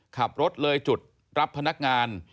ขับรถเลยจุดรับพนักงาน